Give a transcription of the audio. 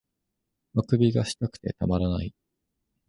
欠伸がしたくてたまらない